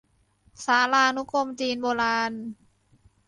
สารานุกรมจีนโบราณ